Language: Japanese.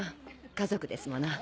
家族ですもの。